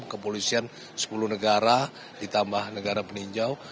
kepolisian sepuluh negara ditambah negara peninjau